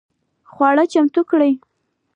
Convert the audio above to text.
خواړه چمتو کړئ